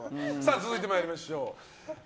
続いて参りましょう。